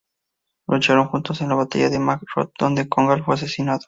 Lucharon juntos en la Batalla de Mag Rath donde Congal fue asesinado.